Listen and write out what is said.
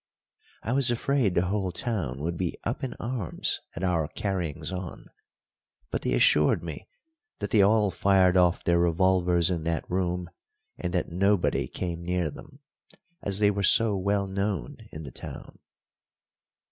I was afraid the whole town would be up in arms at our carryings on, but they assured me that they all fired off their revolvers in that room and that nobody came near them, as they were so well known in the town.